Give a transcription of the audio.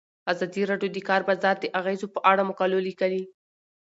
ازادي راډیو د د کار بازار د اغیزو په اړه مقالو لیکلي.